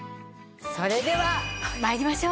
それでは参りましょう。